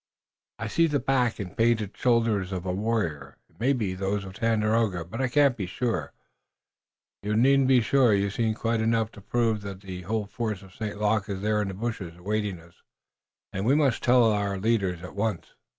"I see the back and painted shoulder of a warrior. It may be those of Tandakora, but I cannot be sure." "You needn't be. You've seen quite enough to prove that the whole force of St. Luc is there in the bushes, awaiting us, and we must tell our leaders at once."